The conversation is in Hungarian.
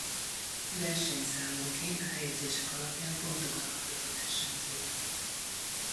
Versenyszámonként a helyezések alapján pontokat kaptak versenyzők.